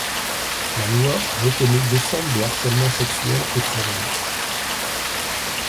La loi reconnaît deux formes de harcèlement sexuel au travail.